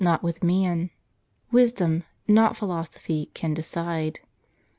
not with man ; wisdom, not pMlosopliy, can decide.